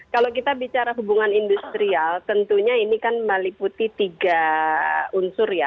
kalau kita bicara hubungan industrial tentunya ini kan meliputi tiga unsur ya